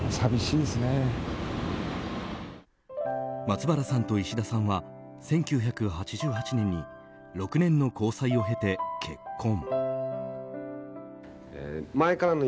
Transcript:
松原さんと石田さんは１９８８年に６年の交際を経て結婚。